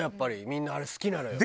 みんなあれ好きなのよ。